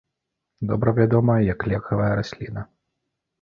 Добра вядомая як лекавая расліна.